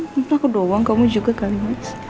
hmm takut doang kamu juga kali ini